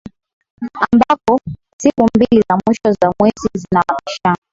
Ambapo siku mbili za mwisho wa mwezi zina mabishano